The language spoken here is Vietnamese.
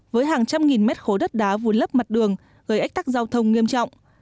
với hàng trăm nghìn mét khố đất đá vùi lấp mặt đường gây ếch tắc giao thông nghiêm trọng